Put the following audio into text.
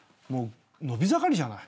伸び盛りじゃない。